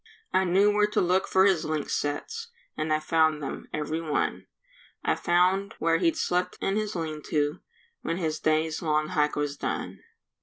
I knew where to look for his lynx sets, And I found them, every one; I found where he'd slept in his lean to When his day's long hike was done.